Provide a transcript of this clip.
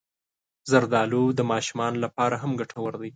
زردالو د ماشومانو لپاره هم ګټور دی.